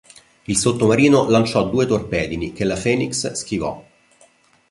Il sottomarino lanciò due torpedini che la "Phoenix" schivò.